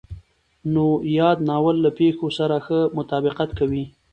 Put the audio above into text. نو ياد ناول له پېښو سره ښه مطابقت کوي.